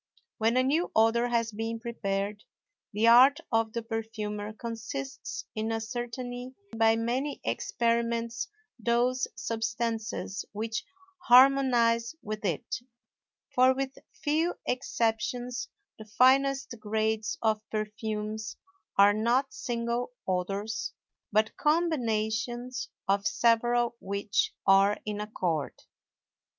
When a new odor has been prepared, the art of the perfumer consists in ascertaining by many experiments those substances which harmonize with it; for with few exceptions the finest grades of perfumes are not single odors but combinations of several which are in accord.